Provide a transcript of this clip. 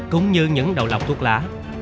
cũng như những đầu lọc thuốc lá